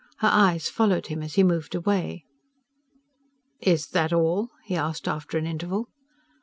Her eyes followed him as he moved away. "Is that all?" he asked after an interval.